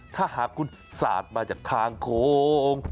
ถ้าหากคุณสาดมาจากทางโค้ง